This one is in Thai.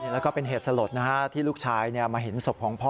แล้วก็เป็นเหตุสลดที่ลูกชายมาเห็นศพของพ่อ